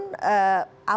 apa kemudian himbatnya